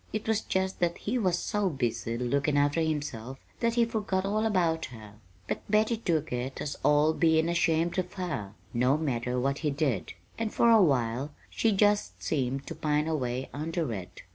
It was just that he was so busy lookin' after himself that he forgot all about her. But Betty took it all as bein' ashamed of her, no matter what he did; and for a while she just seemed to pine away under it.